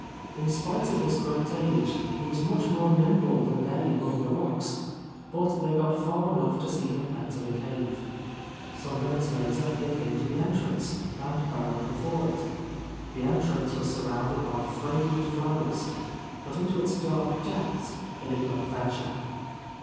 In spite of his great age, he was much more nimble than they among the rocks ; but they got far enough to see him enter the cave. Some minutes later they came to the entrance, and bowed before it. The entrance was surrounded by fragrant flowers ; but into its dark depths they did not venture.